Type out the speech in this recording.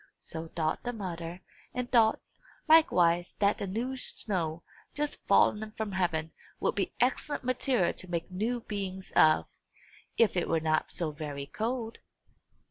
So thought the mother; and thought, likewise, that the new snow, just fallen from heaven, would be excellent material to make new beings of, if it were not so very cold.